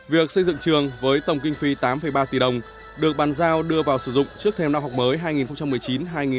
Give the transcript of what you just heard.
việc xây dựng trường với tổng kinh phí tám ba tỷ đồng được bàn giao đưa vào sử dụng trước thêm năm học mới hai nghìn một mươi chín hai nghìn hai mươi